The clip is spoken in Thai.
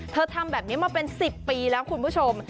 ทำแบบนี้มาเป็น๑๐ปีแล้วคุณผู้ชม